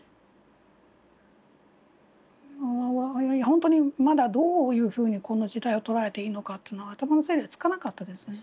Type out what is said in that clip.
本当にまだどういうふうにこの事態を捉えていいのか頭の整理がつかなかったですね。